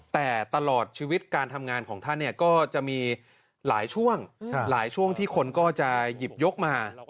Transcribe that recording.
แต่ตลอดชีวิตการทำงานของท่านเนี่ยก็จะมีหลายช่วงหลายช่วงที่คนก็จะหยิบยกมา